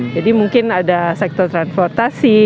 jadi mungkin ada sektor transportasi